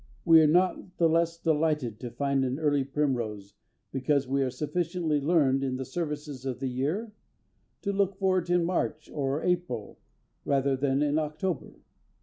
We are not the less delighted to find an early primrose because we are sufficiently learned in the services of the year to look for it in March or April rather than in October.